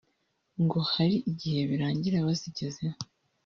ngo hari igihe birangira bazigezeho